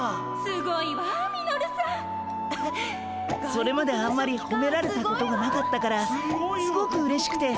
それまであんまりほめられたことがなかったからすごくうれしくて。